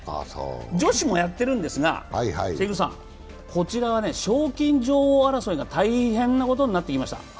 女子もやってるんですが、こちらは賞金女王争いが大変なことになってきました。